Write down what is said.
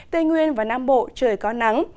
tây nguyên và nam bộ trời có nắng